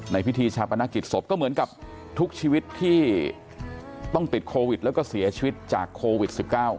พิธีชาปนกิจศพก็เหมือนกับทุกชีวิตที่ต้องติดโควิดแล้วก็เสียชีวิตจากโควิด๑๙